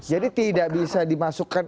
jadi tidak bisa dimasukkan